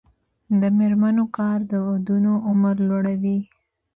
د میرمنو کار د ودونو عمر لوړوي.